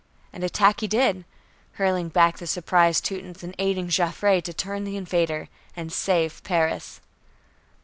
And attack he did, hurling back the surprised Teutons and aiding Joffre to turn the invader, and save Paris.